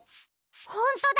ほんとだ！